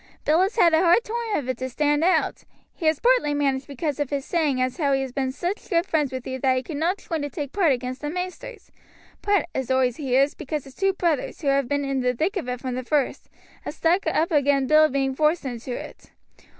"Bill has had a hard toime of it to stand out. He has partly managed because of his saying as how he has been sich good friends with you that he could not join to take part against the maisters; part, as oi hears, because his two brothers, who been in the thick of it from the first, has stuck up agin Bill being forced into it.